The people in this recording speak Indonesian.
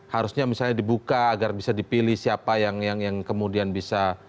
harusnya misalnya dibuka agar bisa dipilih siapa yang kemudian bisa